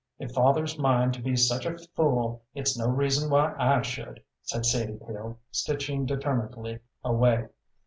"If father's mind to be such a fool, it's no reason why I should," said Sadie Peel, stitching determinedly away.